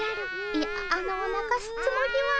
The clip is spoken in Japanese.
いやあのなかすつもりは。